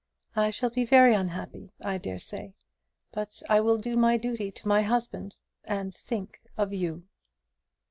"I shall be very unhappy, I dare say; but I will do my duty to my husband and think of you."